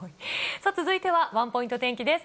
さあ、続いては、ワンポイント天気です。